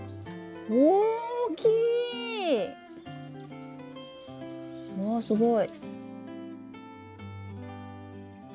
大きい！わすごい。